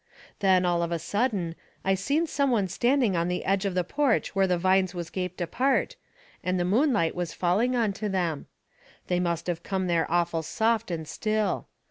Then, all of a sudden, I seen some one standing on the edge of the porch where the vines was gaped apart, and the moonlight was falling onto them. They must of come there awful soft and still.